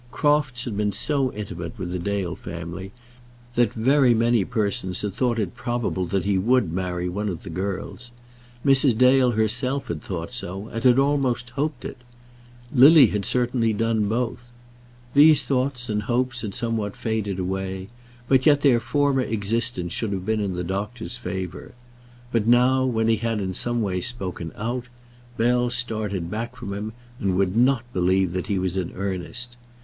Crofts had been so intimate with the Dale family that very many persons had thought it probable that he would marry one of the girls. Mrs. Dale herself had thought so, and had almost hoped it. Lily had certainly done both. These thoughts and hopes had somewhat faded away, but yet their former existence should have been in the doctor's favour. But now, when he had in some way spoken out, Bell started back from him and would not believe that he was in earnest.